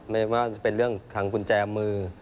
ไม่ว่าจะเป็นเรื่องทางกุญแจมือ